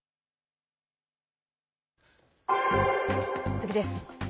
次です。